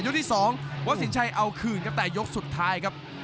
ที่๒วัดสินชัยเอาคืนครับแต่ยกสุดท้ายครับ